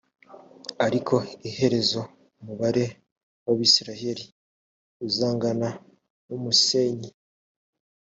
ariko iherezo umubare w abisirayeli uzangana n umusenyi